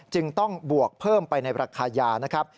จึงต้องบวกเพิ่มไปในราคายานะครับ